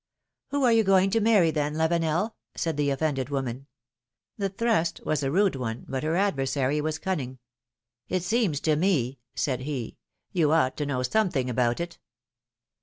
^'Who are you going to marry, then, Lavenel ? said the offended woman. The thrust was a rude one, but her adversary was cunning. '^It seems to me,'^ said he, ^^you ought to know some thing about it.